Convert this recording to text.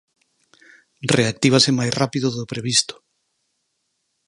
Reactívase máis rápido do previsto.